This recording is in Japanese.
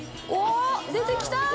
出てきた！